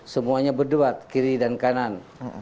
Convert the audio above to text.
semuanya berduet kiri dan kanan